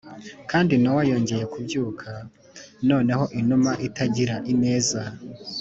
kandi nowa yongeye kubyuka noneho inuma itagira ineza